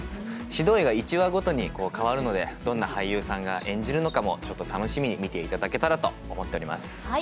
指導医が１話ごとに変わるので、どんな俳優さんが演じるのかも、ちょっと楽しみに見ていただけたらと思っております。